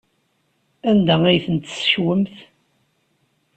Anda ay ten-tessekwemt?